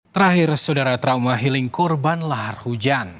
terakhir saudara trauma healing korban lahar hujan